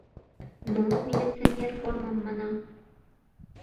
Ну, милиционер формым, манам.